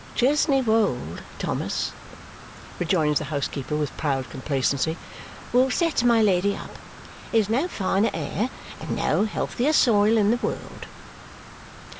"Chesney Wold, Thomas," rejoins the housekeeper with proud complacency, "will set my Lady up! There is no finer air and no healthier soil in the world!"